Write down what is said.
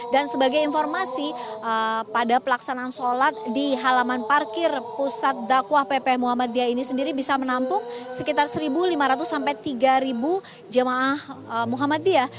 dan sebagai informasi pada pelaksanaan sholat di halaman parkir pusat dakwah pp muhammadiyah ini sendiri bisa menampung sekitar satu lima ratus sampai tiga jemaah muhammadiyah